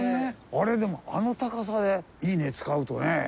あれでもあの高さでいいね使うとね。